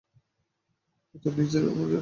অত নিচে নারে ভাই!